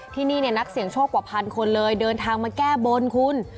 ที่นี่เนี่ยนักเสี่ยงโชคกว่าพันคนเลยเดินทางมาแก้บนคุณ